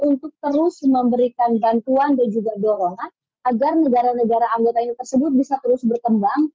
untuk terus memberikan bantuan dan juga dorongan agar negara negara anggotanya tersebut bisa terus berkembang